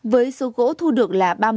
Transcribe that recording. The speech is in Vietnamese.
với số gỗ thu được là